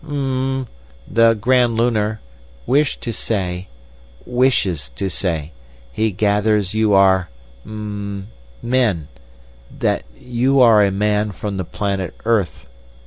"'M'm—the Grand Lunar—wished to say—wishes to say—he gathers you are—m'm—men—that you are a man from the planet earth.